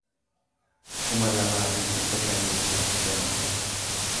kuma lamaa fi dhibba shanii fi afurtamii afur